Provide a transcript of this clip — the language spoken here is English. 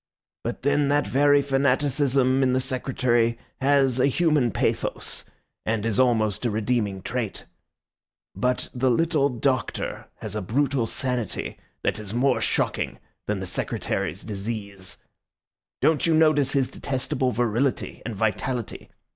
But then that very fanaticism in the Secretary has a human pathos, and is almost a redeeming trait. But the little Doctor has a brutal sanity that is more shocking than the Secretary's disease. Don't you notice his detestable virility and vitality.